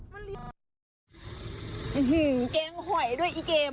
แกงหอยด้วยอีเกม